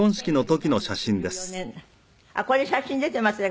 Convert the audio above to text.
あっこれ写真出てますね。